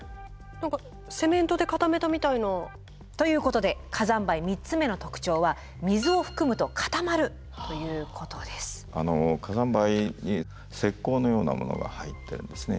何かセメントで固めたみたいな。ということで火山灰３つ目の特徴は火山灰に石こうのようなものが入ってるんですね。